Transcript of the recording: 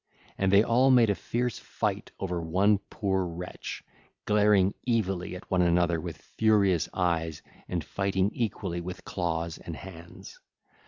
And they all made a fierce fight over one poor wretch, glaring evilly at one another with furious eyes and fighting equally with claws and hands.